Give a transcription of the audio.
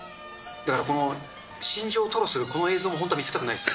だから、心情を吐露するこの映像も本当は見せたくないんですよ。